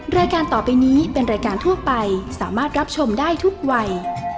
รายการต่อไปนี้เป็นรายการทั่วไปสามารถรับชมได้ทุกวัย